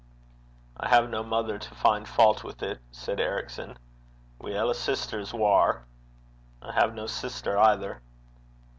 'I have no mother to find fault with it,' said Ericson. 'Weel, a sister's waur.' 'I have no sister, either.'